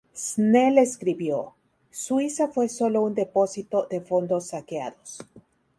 Snell escribió: "Suiza fue sólo un depósito de fondos saqueados.